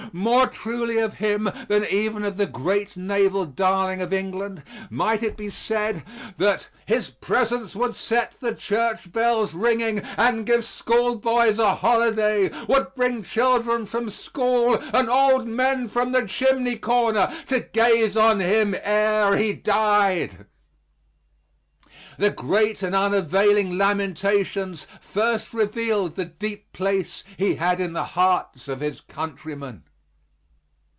More truly of him than even of the great naval darling of England might it be said that "his presence would set the church bells ringing, and give schoolboys a holiday, would bring children from school and old men from the chimney corner, to gaze on him ere he died." The great and unavailing lamentations first revealed the deep place he had in the hearts of his countrymen.